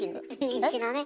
人気のね。